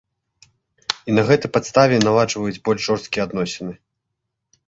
І на гэтай падставе наладжваюць больш жорсткія адносіны.